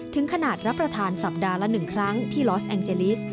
ถึงขนาดรับประทานสัปดาห์ละ๑ครั้งที่ลอสแองเจลิส